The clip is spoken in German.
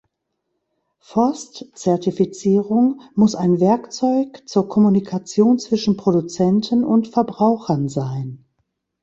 Forstzertifizierung muss ein Werkzeug zur Kommunikation zwischen Produzenten und Verbrauchern sein.